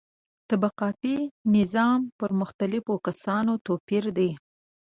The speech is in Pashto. د طبقاتي نظام پر مختلفو کسانو توپیر دی.